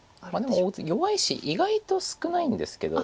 でも弱い石意外と少ないんですけど。